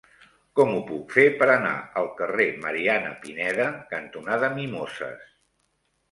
Com ho puc fer per anar al carrer Mariana Pineda cantonada Mimoses?